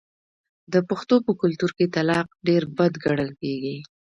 د پښتنو په کلتور کې طلاق ډیر بد ګڼل کیږي.